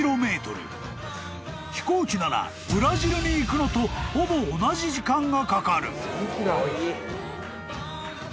［飛行機ならブラジルに行くのとほぼ同じ時間がかかる］